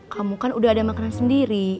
kamu kan udah ada makanan sendiri